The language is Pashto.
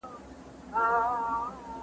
لوستې نجونې د ټولنې اړيکې پياوړې کوي.